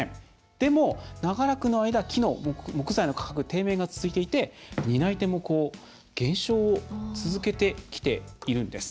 でも、長らくの間、木材の価格低迷が続いていて担い手も減少を続けてきているんです。